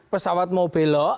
pesawat mau belok